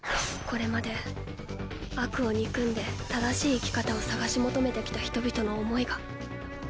「これまで悪を憎んで正しい生き方を探し求めてきた人々の思いが。